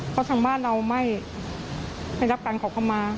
เพราะทางบ้านเราไม่รับการขอเข้ามา